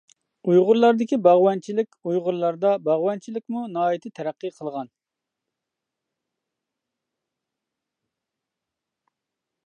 ئۇيغۇرلاردىكى باغۋەنچىلىك ئۇيغۇرلاردا باغۋەنچىلىكمۇ ناھايىتى تەرەققىي قىلغان.